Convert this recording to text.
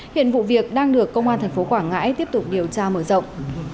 hiện vụ việc đang được công an tp quảng ngãi tiếp tục điều tra mở rộng